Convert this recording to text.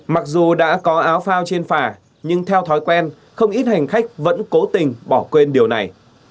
mặc dù đã có áo phao trên phà nhưng theo thói quen không ít hành khách vẫn cố tình bỏ quên điều này